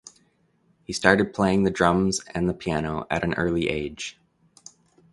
He started playing the drums and the piano at an early age.